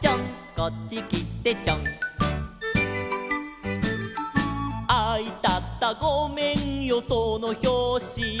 「こっちきてちょん」「あいたたごめんよそのひょうし」